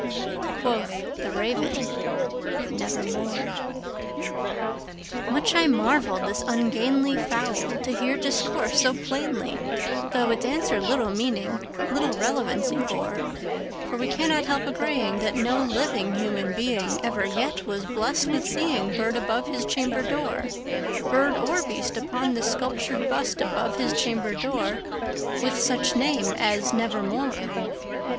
Quoth the Raven, "Nevermore."Much I marvelled this ungainly fowl to hear discourse so plainly, Though its answer little meaning—little relevancy bore; For we cannot help agreeing that no living human beingEver yet was blessed with seeing bird above his chamber door, Bird or beast upon the sculptured bust above his chamber door, With such name as "Nevermore."